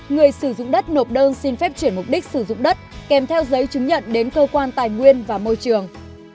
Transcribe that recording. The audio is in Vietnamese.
người sử dụng đất nộp đơn xin phép chuyển mục đích sử dụng đất kèm theo giấy chứng nhận đến cơ quan tài nguyên và môi trường